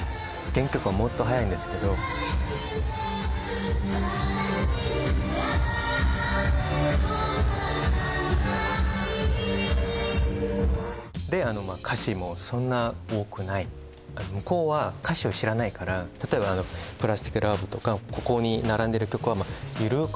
原曲はもっと速いんですけど悲しみがとまらないで歌詞もそんな多くない向こうは歌詞を知らないから例えば「ＰＬＡＳＴＩＣＬＯＶＥ」とかここに並んでる曲は緩ー